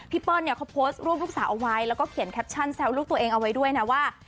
เปิ้ลเนี่ยเขาโพสต์รูปลูกสาวเอาไว้แล้วก็เขียนแคปชั่นแซวลูกตัวเองเอาไว้ด้วยนะว่า